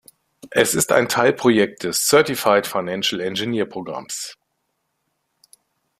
Es ist ein Teilprojekt des Certified Financial Engineer Programms.